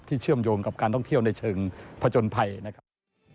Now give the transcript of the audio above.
เชื่อมโยงกับการท่องเที่ยวในเชิงผจญภัยนะครับ